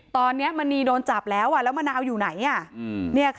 ตอนนี้มณีโดนจับแล้วแล้วมะนาวอยู่ไหน